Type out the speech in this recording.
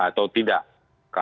kalau tidak kita harus menentukan